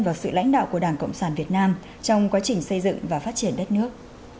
và sự lãnh đạo của đảng cộng sản việt nam trong quá trình xây dựng và phát triển đất nước